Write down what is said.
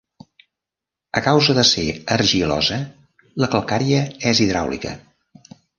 A causa de ser argilosa, la calcària és hidràulica.